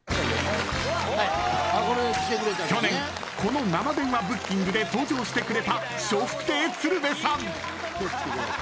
去年この生電話ブッキングで登場してくれた笑福亭鶴瓶さん。